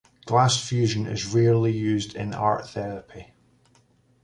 Glass fusion is rarely used in art therapy.